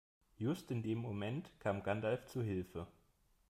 Just in dem Moment kam Gandalf zu Hilfe.